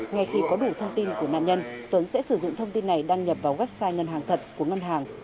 ngay khi có đủ thông tin của nạn nhân tuấn sẽ sử dụng thông tin này đăng nhập vào website ngân hàng thật của ngân hàng